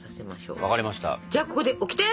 じゃあここでオキテ！